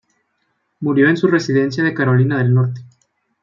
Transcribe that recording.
Murió en su residencia de Carolina del Norte.